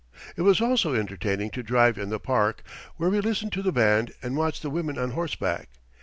It was always entertaining to drive in the park, where we listened to the band and watched the women on horseback.